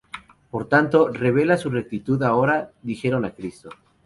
Por tanto, revela tu rectitud ahora›, dijeron a Cristo.